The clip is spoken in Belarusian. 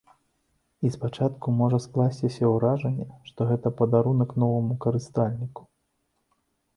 І спачатку можа скласціся ўражанне, што гэта падарунак новаму карыстальніку.